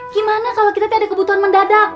gimana kalau kita tuh ada kebutuhan mendadak